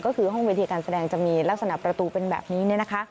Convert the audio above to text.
ก็คือห้องเวทีการแสดงจะมีลักษณะประตูเป็นแบบนี้